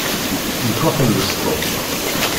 Yettwaxelleṣ Tom.